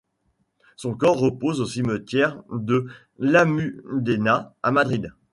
Son corps repose au cimetière de l'Almudena à Madrid.